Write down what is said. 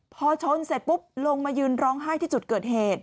พอชนเสร็จปุ๊บลงมายืนร้องไห้ที่จุดเกิดเหตุ